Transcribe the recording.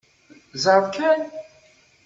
Ẓeṛ kan.